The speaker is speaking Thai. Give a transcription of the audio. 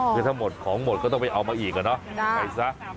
คือถ้าหมดของหมดก็ต้องไปเอามาอีกอะเนาะไปซะ